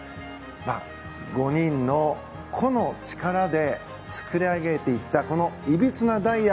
５人の個の力で作り上げていったいびつなダイヤ。